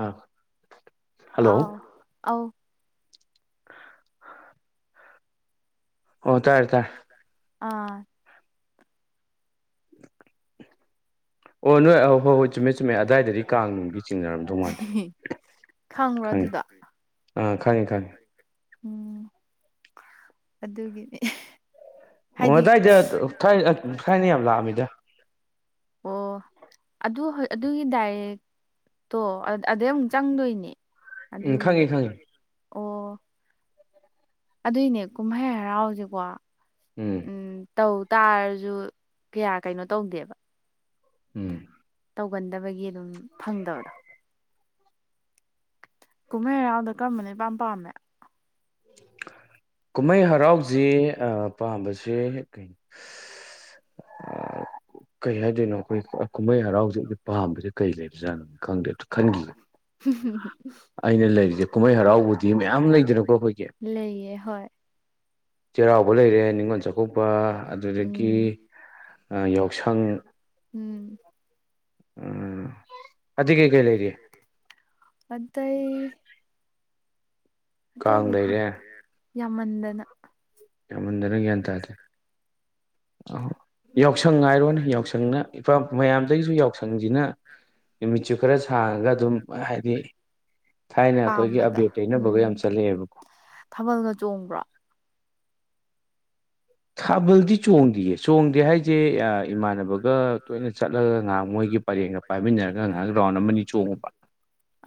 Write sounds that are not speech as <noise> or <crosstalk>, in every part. ꯑꯥ ꯑꯥꯎ ꯍꯜꯂꯣ ꯑꯧ ꯑꯣ ꯇꯥꯏ ꯇꯔ ꯑꯥ ꯑꯣ ꯅꯣꯏ ꯑ ꯍꯣꯏ ꯍꯣꯏ ꯆꯨꯝꯃꯦ ꯆꯨꯝꯃꯦ ꯑꯗꯥꯏꯗꯗꯤ ꯀꯥꯡ ꯅꯨꯡꯗꯤ ꯆꯤꯡꯅꯔꯝꯗꯧ ꯃꯥꯟꯗꯦ <unintelligible> ꯈꯪꯕ꯭ꯔꯣ ꯈꯪꯉꯦ ꯑꯗꯨꯗ ꯑꯥ ꯈꯪꯉꯦ ꯈꯪꯉꯦ ꯎꯝ ꯑꯗꯨꯒꯤꯅꯤ ꯑꯣ ꯍꯥꯏꯗꯤ ꯑꯗꯥꯏꯗ ꯊꯥꯏ ꯊꯥꯏꯅ ꯌꯥꯝ ꯂꯥꯛꯑꯝꯃꯤꯗ ꯑꯣ ꯑꯗꯨ ꯍ ꯑꯗꯨꯒꯤ ꯗꯥꯏꯔꯦꯛ ꯇꯣ ꯑꯗꯩ ꯑꯃꯨꯛ ꯆꯪꯗꯣꯏꯅꯦ ꯎꯝ ꯑꯗꯨꯒꯤꯅꯦ ꯈꯪꯉꯦ ꯈꯪꯉꯦ ꯑꯣ ꯑꯗꯨꯏꯅꯦ ꯀꯨꯝꯍꯩ ꯍꯔꯥꯎꯁꯤꯀꯣ ꯎꯝ ꯇꯧ ꯇꯥꯔꯁꯨ ꯀꯌꯥ ꯀꯩꯅꯣ ꯇꯧꯗꯦꯕ ꯎꯝ ꯇꯧꯒꯟꯗꯕꯒꯤ ꯑꯗꯨꯝ ꯐꯪꯗꯕꯗꯣ ꯀꯨꯝꯍꯩ ꯍꯔꯥꯎꯗ ꯀꯔꯝꯕꯅ ꯄꯥꯝ ꯄꯥꯝꯃꯦ ꯀꯨꯝꯍꯩ ꯍꯔꯥꯎꯁꯦ ꯄꯥꯝꯕꯁꯦ ꯀꯣ ꯑ ꯀꯩ ꯍꯥꯏꯗꯣꯏꯅꯣ ꯑꯩꯈꯣꯏ ꯀꯨꯝꯍꯩ ꯍꯔꯥꯎꯖꯗꯤ ꯄꯥꯝꯕꯗꯤ ꯀꯩ ꯂꯩꯕꯖꯥꯠꯅꯣ ꯈꯪꯗꯦ ꯑꯗꯨꯣ ꯈꯟꯈꯤ ꯑꯩꯅ ꯂꯩꯔꯤꯁꯦ ꯀꯨꯝꯍꯩ ꯍꯔꯥꯎꯕꯨꯗꯤ ꯃꯌꯥꯝ ꯂꯩꯗꯅꯀꯣ ꯑꯩꯈꯣꯏ ꯂꯩꯌꯦ ꯍꯣꯏ ꯆꯩꯔꯥꯎꯕ ꯂꯩꯔꯦ ꯅꯤꯉꯣꯣꯟꯜ ꯆꯥꯛꯀꯧꯕ ꯑꯗꯨꯗꯒꯤ ꯎꯝ ꯌꯥꯎꯁꯪ ꯎꯝ ꯑꯇꯩ ꯀꯩ ꯀꯩ ꯂꯩꯔꯤ ꯑꯗꯨꯠꯇ ꯑꯩ ꯀꯥꯡ ꯑꯇꯩꯗꯤ ꯈꯪ ꯂꯩꯔꯦ ꯌꯥꯝꯃꯟꯗꯅ ꯌꯥꯝꯃꯗꯅ ꯒ꯭ꯌꯥꯟ ꯇꯁꯦ ꯑ ꯌꯥꯎꯁꯪ ꯍꯥꯏꯔꯣꯅꯦ ꯌꯥꯎꯁꯪꯅ ꯏꯄꯥ ꯃꯌꯥꯝꯗꯒꯤꯁꯨ ꯌꯥꯎꯁꯪꯁꯤꯅ ꯅꯨꯃꯤꯠꯁꯨ ꯈꯔ ꯁꯥꯡꯉꯒ ꯑꯗꯨꯝ ꯍꯥꯏꯗꯤ ꯊꯥꯏꯅ ꯑꯩꯈꯣꯏꯒꯤ ꯄꯥꯝꯕꯗꯣ ꯑꯕꯦꯔ ꯇꯩꯅꯕꯒ ꯌꯥꯝ ꯎꯝ ꯆꯠꯂꯛꯑꯦꯕꯀꯣ ꯊꯥꯕꯜꯒ ꯆꯣꯡꯕ꯭ꯔꯥ ꯊꯥꯕꯜꯗꯤ ꯆꯣꯡꯗꯌꯦ ꯆꯣꯡꯗꯦ ꯍꯥꯏꯁꯦ ꯏꯃꯥꯟꯅꯕꯒ ꯇꯣꯏꯅ ꯆꯠꯂꯒ ꯉꯍꯥꯛ ꯃꯣꯏꯒꯤ ꯄꯔꯦꯡꯒ ꯄꯥꯏꯃꯤꯟꯅꯔꯒ ꯉꯥꯏꯍꯥꯛ ꯔꯥꯎꯟ ꯑꯃꯅꯤꯅꯤ ꯆꯣꯡꯉꯨꯕ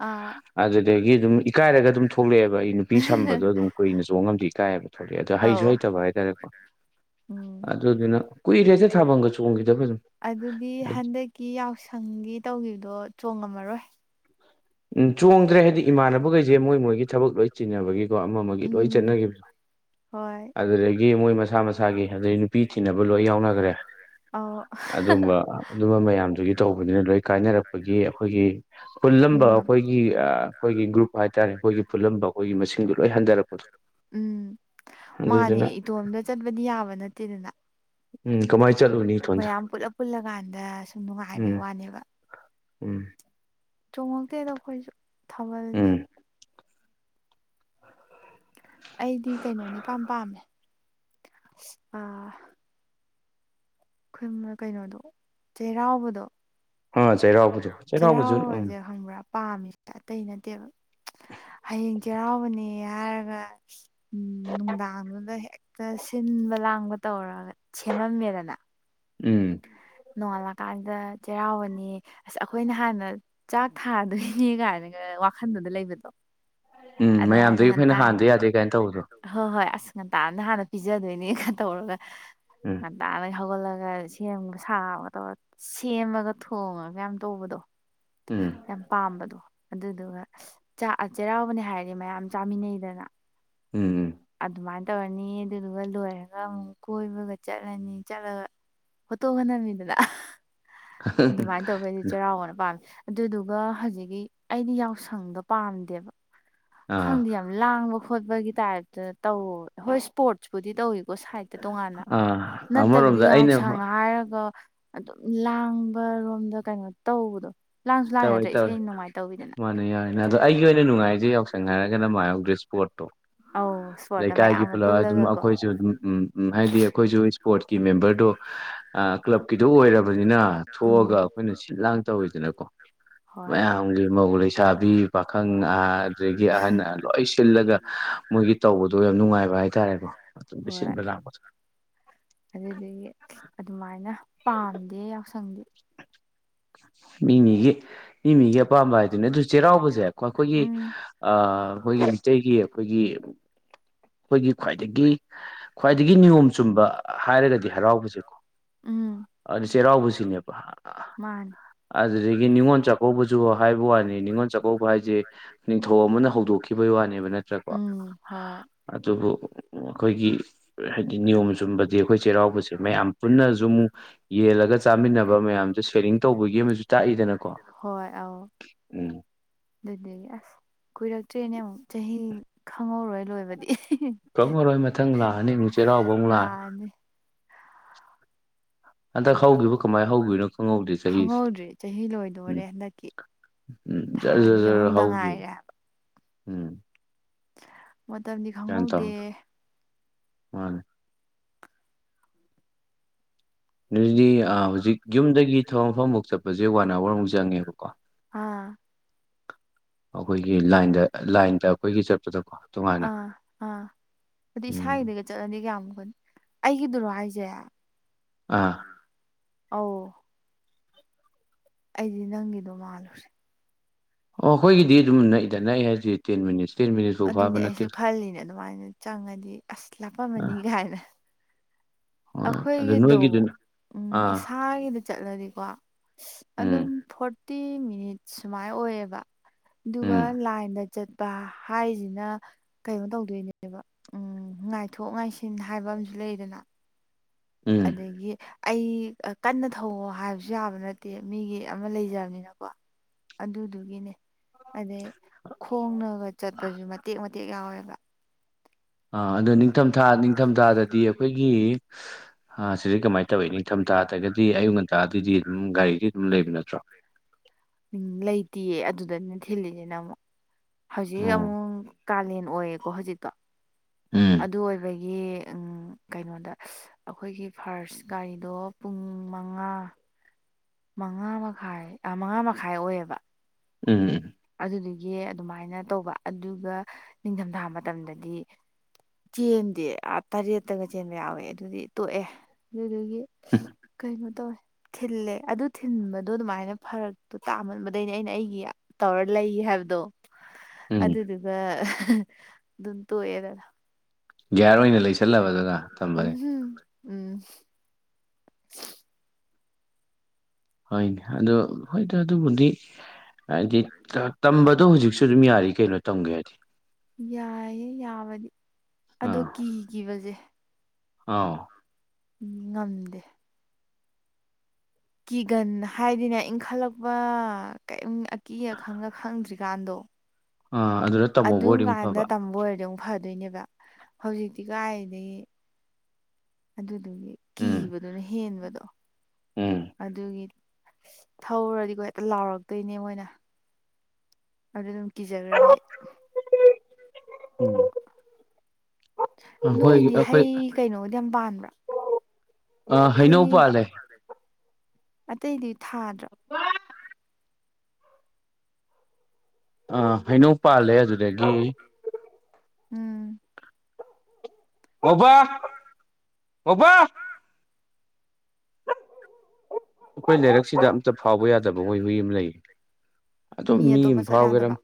ꯑꯥ ꯑꯗꯨꯗꯒꯤ ꯑꯗꯨꯝ ꯏꯀꯥꯏꯔꯒ ꯑꯗꯨꯝ ꯊꯣꯛꯂꯛꯑꯦꯕ ꯑꯩ ꯅꯨꯄꯤ ꯁꯝꯕꯗꯣ ꯑꯗꯨꯝ ꯀꯨꯏꯅ ꯆꯣꯡꯉꯝꯁꯨ ꯏꯀꯥꯏꯑꯕ ꯊ ꯑꯗꯣ ꯍꯩꯁꯨ ꯑꯧ ꯍꯩꯇꯕ ꯍꯥꯏꯇꯥꯔꯦꯀꯣ ꯎꯝ ꯑꯗꯨꯗꯨꯅ ꯀꯨꯏꯔꯦ ꯍꯦꯛꯇ ꯊꯥꯕꯒ ꯆꯣꯡꯈꯤꯗꯕ ꯑꯗꯨꯝ ꯀꯤ ꯌꯥꯎꯁꯪꯒꯤ ꯇꯧꯈꯤꯕꯗꯣ ꯆꯣꯡꯉꯝꯃꯔꯣꯏ ꯎꯝ ꯆꯣꯡꯗ꯭ꯔꯦ ꯍꯥꯏꯗꯤ ꯏꯃꯥꯟꯅꯕꯈꯩꯁꯦ ꯃꯣꯏ ꯃꯣꯏꯒꯤ ꯊꯕꯛ ꯂꯣꯏ ꯆꯤꯟꯅꯕꯒꯤꯀꯣ ꯑꯃ ꯑꯃꯒꯤ ꯂꯣꯏ ꯎꯝ ꯆꯠꯅꯈꯤꯕꯗꯣ ꯍꯣꯏ ꯑꯗꯨꯗꯒꯤ ꯃꯣꯏ ꯃꯁꯥ ꯃꯁꯥꯒꯤ ꯑꯗꯨꯗꯒꯤ ꯅꯨꯄꯤ ꯊꯤꯅꯕ ꯂꯣꯏ ꯌꯥꯎꯅꯈ꯭ꯔꯦ ꯑ ꯑꯗꯨꯝꯕ ꯑꯗꯨꯝꯕ ꯃꯌꯥꯝꯗꯨꯒꯤ ꯇꯧꯕꯅꯤꯅ ꯂꯣꯏ ꯀꯥꯏꯅꯔꯛꯄꯒꯤ ꯑꯩꯈꯣꯏꯒꯤ ꯄꯨꯜꯂꯝꯕ ꯎꯝ ꯑꯩꯈꯣꯏꯒꯤ ꯑꯩꯈꯣꯏꯒꯤ ꯒ꯭ꯔꯨꯞ ꯍꯥꯏꯇꯥꯔꯦ ꯑꯩꯈꯣꯏꯒꯤ ꯄꯨꯜꯂꯝꯕ ꯑꯩꯈꯣꯏꯒꯤ ꯃꯁꯤꯡꯗꯣ ꯂꯣꯏ ꯍꯟꯊꯔꯛꯄꯗꯣ ꯎꯝ ꯃꯥꯅꯦ ꯑꯗꯨꯗꯨꯅ ꯏꯇꯣꯝꯗ ꯆꯠꯄꯗꯤ ꯌꯥꯕ ꯅꯠꯇꯦꯗꯅ ꯎꯝ ꯀꯃꯥꯏꯅ ꯆꯠꯂꯨꯅꯤ ꯏꯊꯣꯟꯗ ꯃꯌꯥꯝ ꯄꯨꯜꯂꯞ ꯄꯨꯜꯂꯀꯥꯟꯗ ꯁꯨꯝ ꯎꯝ ꯅꯨꯡꯉꯥꯏꯕꯩ ꯋꯥꯅꯦꯕ ꯎꯝ ꯆꯣꯡꯉꯛꯇꯦꯗ ꯑꯩꯈꯣꯏꯖꯨ ꯊꯥꯕꯜꯖꯦ ꯎꯝ ꯑꯩꯗꯤ ꯀꯩꯅꯣꯅꯤ ꯏꯄꯥꯝ ꯄꯥꯝꯃꯦ ꯑꯁ ꯑ ꯑꯩꯈꯣꯏ ꯃꯥ ꯀꯩꯅꯣꯗꯣ ꯆꯩꯔꯥꯎꯕꯗꯣ ꯑꯥ ꯆꯩꯔꯥꯎꯕꯗꯣ ꯆꯩꯔꯥꯎꯕꯁꯨ ꯎꯝ ꯆꯩꯔꯥꯎꯕꯖꯦ ꯈꯪꯕꯔ ꯄꯥꯝꯃꯤꯖꯦ ꯑꯇꯩ ꯅꯠꯇꯦꯕ ꯍꯌꯦꯡ ꯆꯩꯔꯥꯎꯕꯅꯦ ꯍꯥꯏꯔꯒ ꯎꯝ ꯅꯨꯡꯗꯥꯡꯗꯨꯗ ꯍꯦꯛꯇ ꯁꯤꯟꯕ ꯂꯥꯡꯕ ꯇꯧꯔꯒ ꯁꯦꯝꯃꯝꯃꯦꯗꯅ ꯎꯝ ꯅꯣꯡꯉꯥꯜꯂꯀꯥꯟꯗ ꯆꯩꯔꯥꯎꯕꯅꯦ ꯑꯁ ꯑꯈꯣꯏꯅ ꯍꯥꯟꯅ ꯆꯥꯛ ꯊꯥꯗꯣꯏꯅꯦ ꯀꯥꯏꯅꯒ ꯋꯥꯈꯟꯗꯨꯗ ꯂꯩꯕꯗꯣ ꯎꯝ ꯑꯗꯨꯃꯥꯏꯅ ꯃꯌꯥꯝꯗꯒꯤ ꯑꯩꯈꯣꯏꯅ ꯉꯟꯇꯅꯥ ꯍꯥꯟꯗ ꯌꯥꯗꯦ ꯀꯥꯏꯅ ꯇꯧꯕꯗꯣ ꯍꯣꯏ ꯍꯣꯏ ꯑꯁ ꯉꯟꯇꯥꯅ ꯍꯥꯟꯅ ꯄꯤꯖꯗꯣꯏꯅꯦꯒ ꯇꯧꯔꯒ ꯎꯝ ꯉꯟꯇꯅ ꯍꯧꯒꯜꯂꯒ ꯁꯤ ꯒꯦꯝꯒ ꯁꯥꯕꯒ ꯇꯧꯔꯒ ꯁꯦꯝꯃꯒ ꯊꯣꯡꯉꯒ ꯌꯥꯝ ꯇꯧꯕꯗꯣ ꯎꯝ ꯌꯥꯝ ꯄꯥꯝꯕꯗꯣ ꯑꯗꯨꯗꯨꯒ ꯥꯆꯥꯛ ꯑ ꯆꯩꯔꯥꯎꯕꯅꯦ ꯍꯥꯏꯔꯗꯤ ꯃꯌꯥꯝ ꯆꯥꯃꯤꯟꯅꯩꯗꯅ ꯎꯝ ꯑꯗꯨꯃꯥꯏꯟ ꯇꯧꯔꯅꯤ ꯑꯗꯨꯗꯨꯒ ꯂꯣꯏꯔꯒ ꯑꯃꯨꯛ ꯀꯣꯏꯕꯒ ꯆꯠꯂꯅꯤ ꯆꯠꯂꯒ ꯐꯣꯇꯣꯒ ꯅꯝꯃꯤꯗꯅ ꯑꯗꯨꯃꯥꯏꯟ ꯇꯧꯕꯩꯗꯤ ꯆꯩꯔꯥꯎꯕꯅ ꯄꯥꯝꯃꯤ ꯑꯗꯨꯗꯨꯒ ꯍꯧꯖꯤꯛꯀꯤ ꯑꯩꯗꯤ ꯌꯥꯎꯁꯪꯗꯣ ꯄꯥꯝꯗꯦꯕ ꯑꯥ ꯈꯪꯗꯦ ꯌꯥꯝ ꯂꯥꯡꯕ ꯈꯣꯠꯄꯒꯤ ꯇꯥꯏꯞꯇ ꯇꯧ ꯍꯣꯏ ꯏꯁꯄꯣꯔꯠꯁꯄꯨꯗꯤ ꯇꯧꯋꯤ ꯀꯣ ꯁꯥꯏꯠꯇ ꯇꯣꯉꯥꯟꯅ ꯑꯥ ꯅꯠꯇꯕꯤꯗ ꯑꯃꯔꯣꯝꯗ ꯌꯥꯎꯁ ꯑꯩꯅ ꯍꯥꯏꯔꯒ ꯑꯗꯨꯝ ꯂꯥꯡꯕꯔꯣꯝꯗ ꯀꯩꯅꯣ ꯇꯧꯕꯗꯣ ꯂꯥꯡꯁꯨ ꯂꯥꯡꯉꯤ ꯇꯧꯋꯦ ꯅꯠꯇ꯭ꯔꯥ ꯇꯧꯋꯦ ꯏꯁꯩ ꯅꯨꯡꯉꯥꯏ ꯇꯧꯋꯤꯗꯅ ꯃꯥꯅꯦ ꯌꯥꯏꯅ ꯑꯗꯣ ꯑꯩꯒꯤ ꯑꯣꯏꯅ ꯅꯨꯡꯉꯥꯏꯖꯦ ꯌꯥꯎꯁꯪ ꯍꯥꯏꯔꯒꯅ ꯃꯥ ꯌꯥꯎꯗ꯭ꯔꯦꯁ ꯄꯣꯠꯇꯣ ꯑꯧ ꯁ꯭ꯄꯣꯔꯠꯇ ꯂꯩꯀꯥꯏꯒꯤ ꯃꯌꯥꯝꯒ ꯄꯨꯜꯂꯞ ꯑꯗꯨꯝ ꯄꯨꯜꯂꯒꯀꯣ ꯑꯩꯈꯣꯏꯁꯨ ꯑꯗꯨꯝ ꯎꯝ ꯎꯝ ꯍꯥꯏꯗꯤ ꯑꯩꯈꯣꯏꯁꯨ ꯁꯄꯣꯔ꯭ꯠꯀꯤ ꯃꯦꯝꯕꯔꯗꯣ ꯑ ꯀ꯭ꯂꯕꯀꯤꯗꯣ ꯑꯣꯏꯔꯕꯅꯤꯅ ꯊꯣꯛꯑꯒ ꯎꯝ ꯑꯩꯈꯣꯏꯅ ꯁꯤꯠ ꯂꯥꯡ ꯇꯧꯋꯤꯗꯅꯀꯣ <unintelligible> ꯍꯣꯏ ꯌꯥꯝꯒꯤ ꯃꯧ ꯂꯩꯁꯥꯕꯤ ꯄꯥꯈꯪ ꯑ ꯑꯗꯨꯗꯒꯤ ꯑꯍꯟ ꯑꯂꯣꯏ ꯁꯤꯜꯂꯒ ꯃꯣꯏꯒꯤ ꯇꯧꯕꯗꯣ ꯌꯥꯝ ꯅꯨꯡꯉꯥꯏꯕ ꯍꯥꯏꯇꯥꯔꯦꯀꯣ ꯑꯗꯨꯝꯗꯤ ꯁꯤꯟꯕ ꯂꯥꯛꯄꯁꯦ ꯑꯗꯨꯗꯒꯤ ꯑꯗꯨꯃꯥꯏꯅ ꯄꯥꯝꯗꯦ ꯌꯥꯎꯁꯪꯗꯤ ꯃꯤꯃꯤꯒꯤ ꯃꯤ ꯃꯤꯒꯤ ꯑꯄꯥꯝꯕ ꯍꯥꯏꯗꯨꯅꯦ ꯑꯗꯨ ꯆꯩꯔꯥꯎꯕꯖꯦ ꯑꯩꯈꯣꯏꯒꯤ ꯎꯝ ꯑ ꯑꯩꯈꯣꯏꯒꯤ ꯃꯤꯇꯩꯩꯒꯤ ꯑꯩꯈꯣꯏꯒꯤ ꯑꯩꯈꯣꯏꯒꯤ ꯈ꯭ꯋꯥꯏꯗꯒꯤ ꯈ꯭ꯋꯥꯏꯗꯒꯤ ꯅꯤꯌꯣꯝ ꯆꯨꯝꯕ ꯍꯥꯏꯔꯒꯗꯤ ꯗꯤ ꯍꯔꯥꯎꯕꯁꯦꯀꯣ ꯎꯝ ꯑꯗꯨ ꯆꯩꯔꯥꯎꯕꯁꯤꯅꯦꯕ ꯃꯥꯥꯅꯤ ꯑꯗꯨꯗꯒꯤ ꯅꯤꯉꯣꯟ ꯆꯥꯛꯀꯧꯕꯖꯨ ꯍꯥꯏꯕ ꯋꯥꯅꯤ ꯅꯤꯡꯉꯣꯟ ꯆꯥꯛꯀꯧꯕ ꯍꯥꯏꯖꯦ ꯅꯤꯡꯊꯧ ꯑꯃꯅ ꯍꯧꯗꯣꯛꯈꯤ ꯈꯤꯕꯩ ꯋꯥꯅꯦꯕ ꯅꯠꯇ꯭ꯔꯥꯀꯣ ꯎꯝ ꯍꯣꯏ ꯑꯗꯨꯕꯨ ꯑꯩꯈꯣꯏꯒꯤ ꯍꯥꯏꯗꯤ ꯅꯤꯌꯣꯝ ꯆꯨꯝꯕꯗꯤ ꯑꯩꯈꯣꯏ ꯆꯩꯔꯥꯎꯕꯁꯦ ꯃꯌꯥꯝ ꯄꯨꯟꯅꯖꯨ ꯑꯃꯨꯛ ꯌꯦꯜꯂꯒ ꯆꯥꯃꯤꯟꯅꯕ ꯃꯌꯥꯝꯖꯦ ꯁꯦꯔꯤꯡ ꯇꯧꯕꯒꯤ ꯒꯤ ꯑꯃꯖꯨ ꯇꯥꯛꯏꯗꯅꯀꯣ ꯍꯣꯏ ꯑꯧ ꯎꯝ ꯑꯗꯨꯗꯒꯤ ꯑꯁ ꯀꯨꯏꯔꯛꯇ꯭ꯔꯦꯅꯦ ꯑꯃꯨꯛ ꯆꯍꯤ ꯈꯪꯍꯧꯔꯣꯏ ꯂꯣꯏꯕꯗꯤ ꯈꯥꯡꯉꯔꯣꯏ ꯃꯊꯪ ꯂꯥꯛꯑꯅꯤ ꯑꯃꯨꯛ ꯆꯩꯔꯥꯎꯕ ꯑꯃꯨꯛ ꯂꯥꯛꯑ ꯂꯥꯛꯑꯅꯤ ꯍꯟꯗꯛ ꯍꯧꯒꯤꯕꯨ ꯀꯃꯥꯏꯟ ꯍꯧꯒꯤꯕꯅꯣ ꯈꯪꯍꯧꯗꯦ ꯆꯍꯤꯁꯦ ꯈꯪꯍꯧꯗ꯭ꯔꯤ ꯆꯍꯤ ꯎꯝ ꯂꯣꯏꯗꯣꯔꯦ ꯍꯟꯗꯛꯀꯤ ꯎꯝ ꯊꯥ ꯖꯔ ꯖꯔ ꯑꯅꯤ ꯖꯔ ꯑꯍꯨꯝꯗ ꯍꯧꯒꯤꯕ ꯉꯥꯏꯔꯦ ꯍꯥꯏꯕ ꯎꯝ ꯃꯇꯝꯗꯤ ꯒ꯭ꯌꯥꯟ ꯈꯪꯍꯧꯗꯦ ꯇꯥꯍꯧꯗꯦ ꯃꯥꯅꯦ ꯑꯗꯨꯗꯤ ꯑꯥ ꯍꯧꯖꯤꯛ ꯌꯨꯝꯗꯒꯤ ꯊꯕꯛꯃꯐꯝ ꯕꯨꯛ ꯆꯠ ꯕꯖꯦ ꯋꯥꯟ ꯑꯋꯥꯔꯃꯨꯛ ꯆꯪꯉꯦꯕꯀꯣ ꯑꯥ ꯑꯩꯈꯣꯏꯒꯤ ꯂꯥꯏꯟꯗ ꯂꯥꯏꯟꯗ ꯑꯩꯈꯣꯏꯒꯤ ꯆꯠꯄꯗꯀꯣ ꯇꯣꯉꯥꯟꯅ ꯑꯗꯨꯏ ꯎꯝ ꯏꯁꯥꯏꯗꯒ ꯆꯠꯂꯗꯤ ꯀꯌꯥꯝꯀꯟ ꯑꯩꯒꯤꯗꯨꯔꯣ ꯍꯥꯏꯁꯦ ꯑꯥ ꯑꯧ ꯑꯩꯗꯤ ꯅꯪꯒꯤꯗꯣ ꯃꯥꯜꯂꯨꯔꯦ ꯑꯣ ꯈꯣꯏꯒꯤꯗꯤ ꯑꯗꯨꯝ ꯅꯥꯛꯏꯗ ꯅꯛꯑ‌ꯦ ꯍꯥꯏꯁꯤ ꯇꯦꯟ ꯃꯤꯅꯤꯠꯁ ꯇꯩ ꯑꯗꯨꯅꯦ ꯑꯩꯁꯨ ꯈꯜꯂꯤꯅꯦ ꯑꯗꯨꯃꯥꯏꯅ ꯆꯪꯉꯗꯤ ꯑꯁ ꯑꯥ ꯂꯥꯞꯄꯝꯃꯅꯤꯒꯥꯏꯅ ꯍꯣꯏ ꯑꯗꯨ ꯑꯩꯈꯣꯏꯒꯤꯗꯣ ꯅꯣꯏꯒꯤꯗꯨꯅ ꯎꯝ ꯑꯥ ꯏꯁꯥꯒꯤꯗ ꯆꯠꯂꯗꯤꯀꯣ ꯑꯗꯨꯝ ꯎꯝ ꯐꯣꯔꯇꯤ ꯃꯤꯅꯤꯠꯁ ꯁꯨꯃꯥꯏ ꯑꯣꯏꯌꯦꯕ ꯑꯗꯨꯒ ꯎꯝ ꯂꯥꯏꯟꯗ ꯆꯠꯄ ꯍꯥꯏꯖꯤꯅ ꯀꯩꯅꯣ ꯇꯧꯗꯣꯏꯅꯦꯕ ꯎꯝ ꯉꯥꯏꯊꯣꯛ ꯉꯥꯏꯁꯤꯟ ꯍꯥꯏꯕ ꯑꯃꯁꯨ ꯂꯩꯗꯅ ꯎꯝ ꯑꯗꯒꯤ ꯑꯩ ꯀꯟꯅ ꯊꯧꯋ‌ꯣ ꯍꯥꯏꯕꯁꯨ ꯌꯥꯕ ꯅꯠꯇꯦ ꯃꯤꯒꯤ ꯑꯃ ꯂꯩꯖꯕꯅꯤꯅꯀꯣ ꯑꯗꯨꯗꯨꯒꯤꯅꯦ ꯑꯗꯩ ꯈꯣꯡꯅꯒ ꯆꯠꯄꯁꯨ ꯃꯇꯦꯛ ꯃꯇꯦꯛ ꯌꯥꯎꯋꯦꯕ ꯑꯥ ꯑꯗꯣ ꯅꯤꯡꯊꯝꯊꯥ ꯅꯤꯡꯊꯝꯊꯥꯗꯗꯤ ꯑꯩꯈꯣꯏꯒꯤ <unintelligible> ꯁꯤꯁꯗꯔ ꯀꯃꯥꯏꯅ ꯇꯧꯋꯤ ꯅꯤꯡꯊꯝꯊꯥ ꯗꯒꯗꯤ ꯑꯌꯨꯛ ꯉꯟꯇꯥꯗꯗꯤ ꯑꯗꯨꯝ ꯒꯥꯔꯤꯗꯤ ꯑꯗꯨꯝ ꯂꯩꯕ ꯅꯠꯇ꯭ꯔꯣ ꯎꯝ ꯂꯩꯇꯤꯌꯦ ꯑꯗꯨꯗꯅ‌ꯦ ꯊꯤꯜꯂꯤꯖꯤꯅ ꯑꯃꯨꯛ ꯑꯣ ꯍꯧꯖꯤꯛ ꯑꯃꯨꯛ ꯀꯥꯂꯦꯟ ꯑꯣꯏꯌꯦꯀꯣ ꯍꯧꯖꯤꯛꯇꯣ ꯎꯝ ꯑꯗꯨ ꯑꯣꯏꯕꯒꯤ ꯌꯦ ꯎꯝ ꯀꯩꯅꯣꯗ ꯑꯩꯈꯣꯏꯒꯤ ꯐꯥꯔꯁ ꯒꯥꯔꯤꯗꯣ ꯄꯨꯡ ꯃꯉꯥ ꯃꯉꯥ ꯃꯈꯥꯏ ꯑꯥ ꯃꯉꯥ ꯃꯈꯥꯏ ꯑꯣꯏꯌꯦꯕ ꯎꯝ ꯑꯗꯨꯗꯨꯒꯤ ꯑꯗꯨꯃꯥꯏꯅ ꯇꯧꯕ ꯑꯗꯨꯒ ꯅꯤꯡꯊꯝꯊꯥ ꯃꯇꯝꯗꯗꯤ ꯆꯦꯟꯗꯦ ꯑꯥ ꯇꯔꯦꯠꯇꯒ ꯆꯦꯟꯕ ꯌꯥꯎꯋꯦ ꯑꯗꯨꯗꯤ ꯇꯣꯛꯑꯦ <unintelligible> ꯒꯤ ꯎꯝ ꯀꯩꯅꯣ ꯇꯧꯋꯦ ꯊꯤꯜꯂꯦ ꯑꯗꯨ ꯊꯤꯟꯕꯗꯣ ꯑꯗꯨꯃꯥꯏꯅ ꯐꯔꯛꯇꯨ ꯇꯥꯃꯟꯕꯗꯩꯅꯦ ꯑꯩꯅ ꯑꯩꯒꯤ ꯇꯧꯔ ꯂꯩ ꯍꯥꯏꯕꯗꯣ ꯎꯝ ꯑꯗꯨꯗꯨꯒ ꯑꯗꯨꯝ ꯇꯣꯛꯑꯦꯗꯅ ꯒ꯭ꯌꯥꯔ ꯑꯣꯏꯅ ꯂꯩꯁꯜꯂꯕ ꯑꯗꯨꯅ <unintelligible> ꯊꯝꯕꯅꯦ ꯎꯝꯍꯨꯝ ꯎꯝ ꯍꯣꯏꯅꯦ ꯑꯗꯣ ꯍꯣꯏꯗ ꯑꯗꯨꯕꯨꯗꯤ ꯍꯥꯏꯗꯤ ꯇ ꯇꯝꯕꯗꯣ ꯍꯧꯖꯤꯛꯁꯨ ꯑꯗꯨꯝ ꯌꯥꯔꯤ ꯀꯩꯅꯣ ꯇꯝꯒꯦ ꯍꯥꯏꯗꯤ ꯌꯥꯏꯌꯦ ꯌꯥꯕꯗꯤ ꯑꯗꯣ ꯑꯥ ꯀꯤꯈꯤꯕꯁꯦ ꯑꯥꯎ ꯉꯝꯗꯦ ꯀꯤꯒꯟ ꯍꯥꯏꯗꯤꯅ‌ꯦ ꯏꯪꯈꯠꯂꯛꯄ ꯀꯩꯝ‌ ꯑꯀꯤ ꯑꯈꯪꯒ ꯈꯪꯗ꯭ꯔꯤ ꯀꯥꯟꯗꯣ ꯑꯥ ꯑꯗꯨꯗ ꯑꯗꯨ ꯇꯝꯍꯧꯕ ꯑꯣꯏꯗꯤ ꯑꯃꯨꯛ ꯐꯕ ꯀꯥꯟꯗ ꯇꯝꯕ ꯑꯣꯏꯔꯗꯤ ꯑꯃꯨꯛ ꯐꯗꯣꯏꯅꯦꯕ ꯍꯧꯖꯤꯛꯇꯤ ꯀꯥꯏꯗꯩ ꯑꯗꯨꯗꯨꯒꯤ ꯎꯝ ꯀꯤꯕꯗꯨꯅ ꯍꯦꯟꯕꯗꯣ ꯎꯝ ꯑꯗꯨꯒꯤ ꯊꯧꯔꯗꯤꯀꯣ ꯍꯦꯛꯇ ꯂꯥꯎꯔꯛꯇꯣꯏꯅꯦ ꯃꯣꯏꯅ ꯑꯗꯨꯗꯨꯝ ꯀꯤꯖꯈ꯭ꯔꯅꯤ ꯑꯩ ꯎꯝ <inaudible> ꯑꯩꯈꯣꯏ ꯅꯣꯏꯗꯤ ꯑꯩꯈꯣꯏ ꯍꯩ ꯀꯩꯅꯣꯗꯤ ꯌꯥꯝ ꯄꯥꯟꯕ꯭ꯔꯥ ꯑ ꯍꯩꯅꯧ ꯍꯩ ꯄꯥꯜꯂꯦ ꯑꯇꯩꯗꯤ ꯊꯥꯗ꯭ꯔ‌ꯣ ꯋꯥ <unintelligible> ꯑ ꯍꯩꯅꯧ ꯄꯥꯜꯂꯦ ꯑꯗꯨꯗꯒꯤ ꯎꯝ ꯉꯧꯕꯥ ꯉꯧꯕꯥ ꯑꯩꯈꯣꯏ ꯂꯩꯥꯏꯔꯛꯁꯤꯗ ꯑꯝꯇ ꯐꯥꯎꯕ ꯌꯥꯗꯕ ꯃꯣꯏ ꯍꯨꯏ ꯑꯃ ꯂꯩꯌꯦ ꯑꯗꯨꯝ ꯃꯤ ꯑꯇꯣꯞꯄ ꯑꯃ ꯆꯠ ꯐꯥꯎ ꯒꯦꯔ ꯌꯥꯗꯕ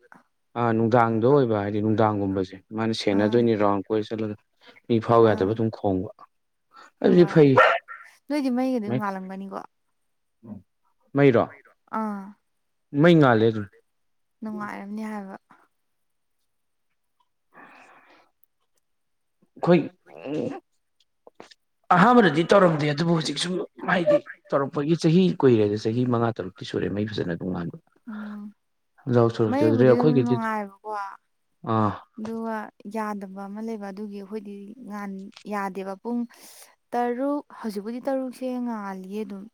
ꯑꯥ ꯅꯨꯡꯗꯥꯡꯗ ꯑꯣꯏꯕ ꯍꯥꯏꯗꯤ ꯅꯨꯡꯗꯥꯡꯒꯨꯝꯕꯁꯦ ꯃꯥꯅ ꯑꯥ ꯁꯦꯟꯅꯗꯣꯏꯅꯤ ꯔꯥꯎꯟ ꯀꯣꯏꯔ ꯆꯠꯂꯒ ꯃꯤ ꯐꯥꯎ ꯑꯥ ꯌꯥꯗꯕ ꯑꯗꯨꯝ ꯈꯣꯡꯕ ꯑꯗꯨꯗꯤ ꯍꯣꯏ ꯐꯩ ꯅꯣꯏꯗꯤ ꯃꯩꯒ ꯑꯗꯨꯝ ꯉꯥꯜꯂꯝꯒꯅꯤꯀꯣ ꯎꯝ ꯃꯩꯔꯣ ꯑꯥ ꯃꯩ ꯉꯥꯜꯂꯦ ꯑꯗꯨꯝ ꯅꯨꯡꯉꯥꯏꯔꯝꯅꯤ ꯍꯥꯏꯕ ꯑꯩꯈꯣꯏ ꯎ ꯑꯍꯥꯟꯕꯗꯗꯤ ꯇꯧꯔꯝꯗꯦ ꯑꯗꯨꯕꯨ ꯍꯧꯖꯤꯛ ꯁꯨꯝ ꯍꯥꯏꯗꯤ ꯇꯧꯔꯛꯄꯒꯤ ꯆꯍꯤ ꯀꯨꯏꯔꯦꯗ ꯆꯍꯤ ꯃꯉꯥ ꯇꯔꯨꯛꯇ ꯀꯤ ꯁꯨꯔꯦ ꯃꯩ ꯐꯖꯅ ꯑꯗꯨꯝꯉꯥꯟꯕ ꯎꯝ <inaudible> ꯌꯥꯎ ꯁꯣꯔꯛꯇꯦ ꯑꯗꯨꯗꯤ ꯃꯩꯕꯨꯗꯤ ꯑꯗꯨꯝ ꯑꯩꯈꯣꯏꯒꯤꯗꯤ <inaudible> ꯅꯨꯡꯉꯥꯏꯕꯀꯣ ꯑꯥ ꯑꯗꯨꯒ ꯌꯥꯗꯕ ꯑꯃ ꯂꯩꯕ ꯑꯗꯨꯒꯤ ꯑꯩꯈꯣꯏꯗꯤ ꯉꯥꯟ ꯌꯥꯗꯦꯕ ꯄꯨꯡ ꯇꯔꯨꯛ ꯍꯧꯖꯤꯛꯄꯨꯗꯤ ꯇꯔꯨꯛꯁꯦ ꯉꯥꯜꯂꯤꯌꯦ ꯑꯗꯨꯝ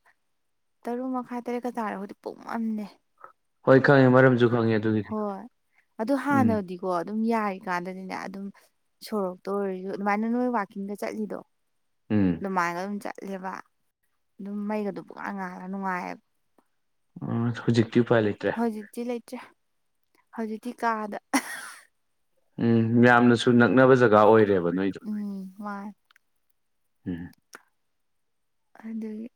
ꯇꯔꯨꯛ ꯃꯈꯥꯏ ꯇꯔꯦꯠꯀ ꯇꯥꯔꯛꯑꯗꯤ ꯄꯨꯡꯃꯝꯅꯦ ꯍꯣꯏ ꯈꯪꯉꯦ ꯃꯔꯝꯁꯨ ꯈꯪꯉꯦ ꯑꯗꯨꯒꯤꯗꯤ ꯍꯣꯏ ꯑꯗꯨ ꯎꯝ ꯍꯥꯟꯅꯗꯤ ꯍꯣꯢ ꯑꯗꯨꯝ ꯌꯥꯔꯤꯀꯥꯟꯗꯅꯤꯅꯦ ꯑꯗꯨꯝ ꯁꯣꯔꯣꯛꯇ ꯑꯣꯏꯔꯁꯨ ꯑꯗꯨꯃꯥꯏꯅ ꯅꯣꯏ ꯋꯥꯛꯀꯤꯡꯒ ꯆꯠꯂꯤꯗꯣ ꯎꯝ ꯑꯗꯨꯃꯥꯏꯅꯒ ꯑꯗꯨꯝ ꯆꯠꯂꯦꯕ ꯑꯗꯨꯝ ꯃꯩꯒꯗꯨ ꯄꯨꯡꯉꯥꯟ ꯉꯥꯜꯂꯒ ꯅꯨꯡꯉꯥꯏꯑꯦꯕ ꯑꯣ ꯍꯧꯖꯤꯛ ꯍꯧꯖꯤꯛꯇꯤ ꯂꯩꯇ꯭ꯔꯦ ꯍꯧꯖꯤꯛꯇꯤ ꯀꯥꯗ ꯎꯝ ꯌꯥꯝꯅꯁꯨ ꯅꯛꯅꯕ ꯖꯒꯥ ꯑꯣꯏꯔꯦꯕ ꯅꯣꯏꯗꯣ ꯎꯝ ꯃꯥꯅꯦ ꯎꯝ ꯑꯗꯨꯒꯤ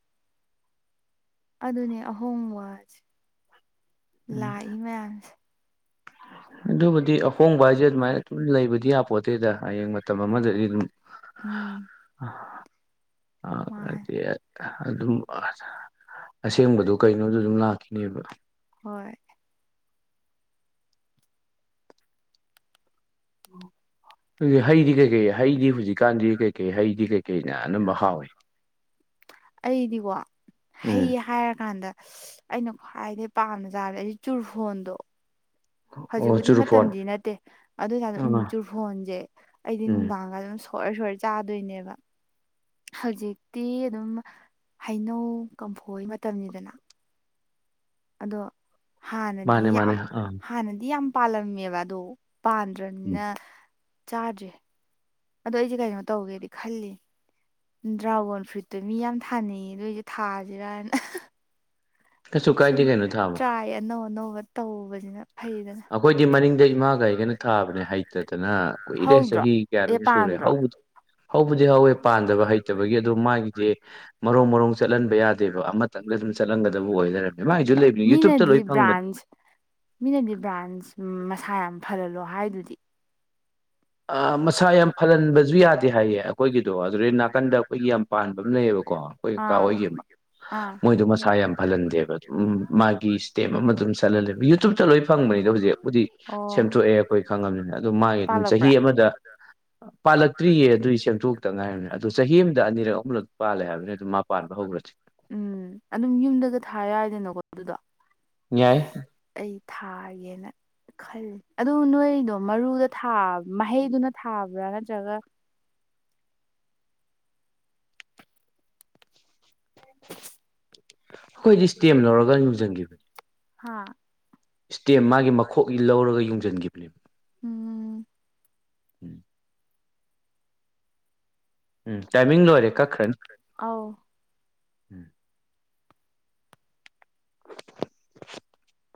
ꯑꯗꯨꯅꯦ ꯑꯍꯣꯡꯕꯁꯦ ꯎꯝ ꯂꯥꯛꯏ ꯃꯌꯥꯝꯁꯦ ꯑꯗꯨꯕꯨꯗꯤ ꯑꯍꯣꯡꯕ ꯍꯥꯏꯁꯦ ꯑꯗꯨꯃꯥꯏꯅ ꯑꯗꯨꯝ ꯂꯩꯕꯗꯤ ꯌꯥꯄꯣꯠꯇꯦꯗ ꯍꯌꯦꯡ ꯃꯇꯝ ꯑꯃꯗꯗꯤ ꯎꯝ ꯃꯥꯅꯦ ꯑꯗꯨꯝ ꯑ <inaudible> ꯑ ꯑꯗꯨ <inaudible> ꯑꯁꯦꯡꯕꯗꯣ ꯀꯩꯅꯣꯗꯨ ꯑꯗꯨꯝ ꯂꯥꯛꯈꯤꯅꯦꯕ ꯍꯣꯏ ꯑꯗꯨ ꯍꯩꯗꯤ ꯀꯩꯀꯩ ꯍꯩꯗꯤ ꯍꯧꯖꯤꯛꯀꯥꯟꯗꯤ ꯀꯩꯀꯩ ꯍꯩꯗꯤ ꯀꯩꯀꯩꯅ ꯑꯅꯝꯕ ꯍꯥꯎꯏ ꯑꯩꯗꯤꯀꯣ ꯍꯩ ꯎꯝ ꯍꯥꯏꯔꯀꯥꯟꯗ ꯑꯩꯅ ꯈ꯭ꯋꯥꯏꯗꯩ ꯄꯥꯝꯅ ꯆꯥꯕꯗ ꯑꯩꯗꯤ ꯆꯨꯔꯐꯣꯟꯗꯣ ꯑꯣ ꯍꯧꯖꯤꯛꯕꯨꯗꯤ ꯆꯨꯔꯨꯐꯣꯟ ꯃꯇꯝꯗꯤ ꯅꯠꯇꯦ ꯑꯗꯨ ꯑꯣꯢꯇꯔꯁꯨ ꯑꯥ ꯆꯨꯔꯐꯣꯟꯁꯦ ꯑꯩꯗꯤ ꯎꯝ ꯅꯨꯡꯗꯥꯡꯒ ꯑꯗꯨꯝ ꯁꯣꯏꯔ ꯁꯣꯏꯔ ꯆꯥꯗꯣꯏꯅꯦꯕ ꯍꯧꯖꯤꯛꯇꯤ ꯑꯗꯨꯝ ꯍꯩꯅꯧ ꯀꯝꯐꯣꯏ ꯃꯇꯝꯅꯤꯗꯅ ꯑꯗꯣ ꯍꯥꯟꯅꯗꯤ ꯃꯥꯅꯦ ꯃꯥꯅꯦ ꯌꯥꯝ ꯑꯥ ꯍꯥꯟꯅꯗꯤ ꯌꯥꯝ ꯄꯥꯜꯂꯝꯃꯦꯕ ꯑꯗꯣ ꯎꯝ ꯄꯥꯟꯗ꯭ꯔꯅꯤꯅ ꯆꯥꯗ꯭ꯔꯦ ꯑꯗꯣ ꯑꯩꯁꯦ ꯀꯩꯅꯣ ꯇꯧꯒꯦꯗꯤ ꯈꯜꯂꯤ ꯗ꯭ꯔꯥꯒꯣꯟ ꯐ꯭ꯔꯨꯏꯠꯇꯣ ꯃꯤ ꯌꯥꯝ ꯊꯥꯅꯩꯌꯦ ꯑꯗꯨꯏꯁꯨꯦ ꯊꯥꯁꯤꯔꯅ ꯀꯩꯁꯨ ꯁꯨꯝ ꯀꯥꯏꯗꯦ ꯀꯩꯅꯣ ꯊꯥꯕ ꯇ꯭ꯔꯥꯏ ꯑꯅꯧ ꯑꯅꯧꯕ ꯇꯧꯕꯁꯤꯅ ꯐꯩꯗꯅ ꯑꯩꯈꯣꯏꯗꯤ ꯃꯅꯤꯡꯗ ꯏꯃꯥꯒꯩꯒꯅ ꯊꯥꯕꯅꯦ ꯍꯩꯇꯗꯅ ꯀꯨꯏꯔꯦ ꯍꯧꯗ꯭ꯔꯣ ꯆꯍꯤ ꯑꯦ ꯀꯌꯥꯅꯣꯃ ꯁꯨꯔꯦ ꯄꯥꯟꯗ꯭ꯔꯣ ꯍꯧ ꯍꯧꯕꯗꯤ ꯍꯧꯋꯦ ꯄꯥꯟꯗꯕ ꯍꯩꯇꯕꯒꯤ ꯑꯗꯨ ꯃꯥꯒꯤꯗꯤ ꯃꯔꯣꯡ ꯃꯔꯣꯡ ꯆꯠꯍꯟꯕ ꯌꯥꯗꯦꯕ ꯑꯃ ꯃꯊꯥꯜꯗ ꯑꯗꯨꯝ ꯆꯠꯍꯥꯜꯒꯗꯕ ꯑꯣꯏ ꯂꯩꯔꯝꯃꯦ ꯃꯥꯒꯤꯁꯨ ꯂꯩ ꯃꯤꯅꯗꯤ ꯕ꯭ꯔꯥꯟꯁ ꯃꯤꯅꯗꯤ ꯕ꯭ꯔꯥꯟꯁ ꯃꯁꯥ ꯌꯥꯝ ꯐꯜꯍꯜꯂꯣ ꯍꯥꯏꯗꯨꯗꯤ ꯃꯁꯥ ꯌꯥꯝ ꯐꯜꯍꯟꯕꯁꯨ ꯌꯥꯗꯦ ꯍꯥꯏꯌꯦ ꯑꯩꯈꯣꯏꯒꯤꯗꯣ ꯑꯗꯨꯗꯩ ꯅꯥꯀꯟꯗ ꯑꯩꯈꯣꯏꯒꯤ ꯌꯥꯝ ꯄꯥꯟꯕ ꯑꯃ ꯂꯩꯌꯦꯕꯀꯣ ꯑꯩꯈꯣꯏ ꯀꯀꯥ ꯑꯥ ꯍꯣꯏꯒꯤ ꯑꯃ ꯑꯥ ꯃꯣꯏꯗꯣ ꯃꯁꯥ ꯌꯥꯝ ꯐꯍꯟꯗꯦꯕ ꯑꯗꯨꯝ ꯃꯥꯒꯤ ꯇꯦꯞ ꯑꯃ ꯑꯗꯨꯝ ꯆꯠꯍꯜꯂꯦꯕ ꯌꯨꯇ꯭ꯌꯨꯕꯇ ꯂꯣꯏ ꯐꯪꯕꯅꯤꯗ ꯍꯧꯖꯤꯛꯕꯨꯗꯤ ꯑꯣ ꯁꯦꯝꯗꯣꯛꯑꯦ ꯑꯩꯈꯣꯏ ꯈꯪꯉꯕꯅꯤꯅ ꯑ ꯑꯗꯨ ꯃꯥꯒꯤ ꯑꯗꯨꯝ ꯄꯥꯜꯂꯛꯄ꯭ꯔꯥ ꯆꯍꯤ ꯑꯃꯗ ꯄꯥꯜꯂꯛꯇ꯭ꯔꯤꯌꯦ ꯑꯗꯨꯗꯤ ꯁꯦꯝꯗꯣꯛꯇ ꯉꯥꯏꯔꯕꯅꯤ ꯑꯣ ꯆꯍꯤ ꯑꯃꯗ ꯑꯅꯤꯔꯛ ꯑꯍꯂꯛ ꯄꯥꯜꯂꯦ ꯍꯥꯏꯕꯅꯦ ꯑꯗꯨꯝ ꯄꯥꯟꯕ ꯍꯧꯈ꯭ꯔꯗꯤ ꯎꯝ ꯑꯗꯨꯝ ꯌꯨꯝꯗꯒ ꯊꯥ ꯌꯥꯏꯗꯅꯀꯣ ꯑꯗꯨꯗꯣ ꯌꯥꯏ ꯑꯩ ꯊꯥꯒꯦꯅ ꯈꯜꯂꯤ ꯑꯗꯨ ꯅꯣꯏꯗꯣ ꯃꯔꯨꯗ ꯊꯥꯕ ꯃꯍꯩꯗꯨꯅ ꯊꯥꯕ꯭ꯔꯥ ꯅꯠꯇ꯭ꯔꯒ ꯑꯩꯈꯣꯏꯗꯤ ꯏꯁ꯭ꯇꯦꯝ ꯂꯧꯔꯒ ꯌꯡꯁꯤꯟꯈꯤꯕꯅꯤ ꯍꯥꯥ ꯏꯁꯇꯦꯝ ꯃꯥꯒꯤ ꯃꯈꯣꯛꯒꯤ ꯂꯧꯔꯒ ꯌꯨꯡꯁꯤꯟꯈꯤꯕꯅꯦꯕ ꯎꯝ ꯎꯝ ꯎꯝ ꯇꯥꯏꯃꯤꯡ ꯂꯣꯏꯔꯦ ꯀꯛꯈ꯭ꯔꯅꯤ ꯑꯥꯎ ꯎꯝ ꯍꯣꯝ